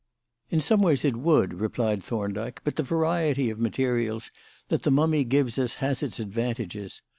"In some ways it would," replied Thorndyke, "but the variety of materials that the mummy gives us has its advantages.